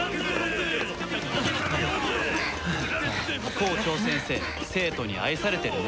校長先生生徒に愛されてるね。